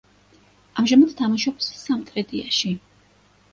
ამჟამად თამაშობს „სამტრედიაში“.